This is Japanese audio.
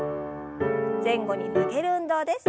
前後に曲げる運動です。